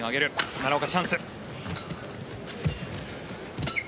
奈良岡、チャンス。